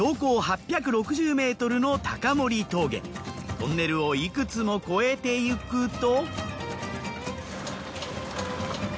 トンネルをいくつも越えていくと。